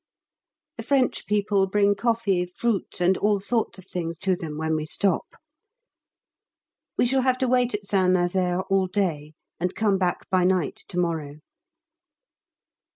The French people bring coffee, fruit, and all sorts of things to them when we stop. We shall have to wait at St Nazaire all day, and come back by night to morrow.